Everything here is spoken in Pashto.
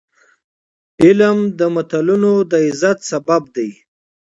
علم د ملتونو د عزت سبب دی.